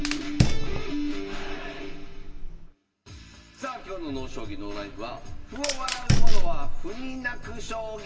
さあ今日の「ＮＯ将棋ＮＯＬＩＦＥ」は「歩を笑うものは歩に泣く将棋」！